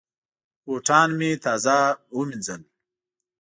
بوټان مې تازه وینځل.